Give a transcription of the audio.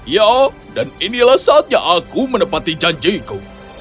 ya dan inilah saatnya aku menepati janjiku